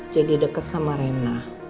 jadi deket sama rena